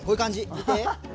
見て。